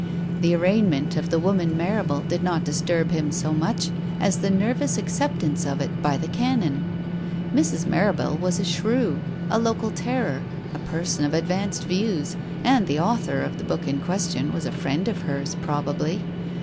The arraignment of the woman Marrable did not disturb him so much as the nervous acceptance of it by the Canon. Mrs. Marrable was a shrew, a local terror, a person of advanced views, and the author of the book in question was a friend of hers, probably